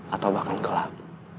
atau bahkan gelap